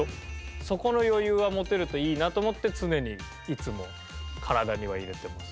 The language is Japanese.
そこの余裕は持てるといいなと思って常にいつも体には入れてます。